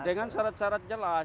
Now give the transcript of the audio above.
dengan syarat syarat jelas